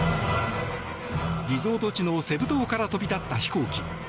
リゾート地のセブ島から飛び立った飛行機。